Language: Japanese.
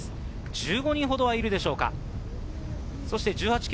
１５人ほどはいるでしょうか。